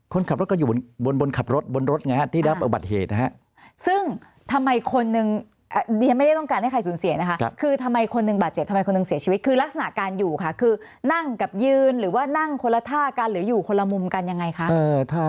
คนขับรถก็อยู่บนบนขับรถบนรถไงฮะที่รับอุบัติเหตุนะฮะซึ่งทำไมคนนึงดิฉันไม่ได้ต้องการให้ใครสูญเสียนะคะคือทำไมคนหนึ่งบาดเจ็บทำไมคนหนึ่งเสียชีวิตคือลักษณะการอยู่ค่ะคือนั่งกับยืนหรือว่านั่งคนละท่ากันหรืออยู่คนละมุมกันยังไงคะ